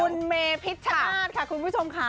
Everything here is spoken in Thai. คุณเมพิชชนาธิ์ค่ะคุณผู้ชมค่ะ